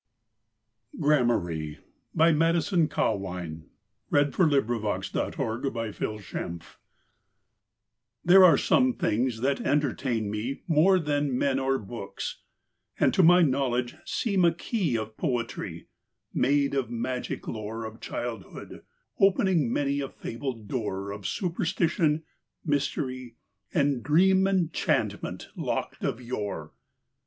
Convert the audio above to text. rocked, pealing "peace and love" Down all the aisles of night. GRAMARYE There are some things that entertain me more Than men or books; and to my knowledge seem A key of Poetry, made of magic lore Of childhood, opening many a fabled door Of superstition, mystery, and dream Enchantment locked of yore.